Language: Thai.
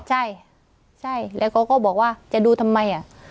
ใช่ใช่แล้วเขาก็บอกว่าจะดูทำไมอ่ะ